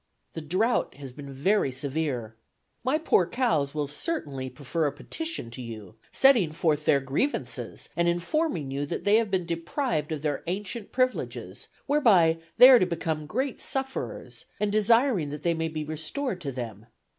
The drought has been very severe. My poor cows will certainly prefer a petition to you, setting forth their grievances and informing you that they have been deprived of their ancient privileges, whereby they are become great sufferers, and desiring that they may be restored to them.